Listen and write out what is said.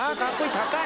高い！